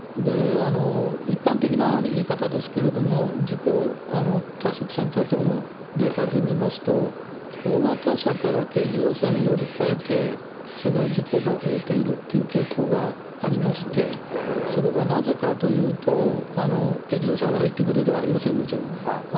一般的な言い方ですけれども、事故対策センターとかのデータで見ますと、大型車から軽自動車に乗り換えて、事故が増えているという傾向がありまして、それはなぜかというと、軽自動車が悪いということではありません、もちろん。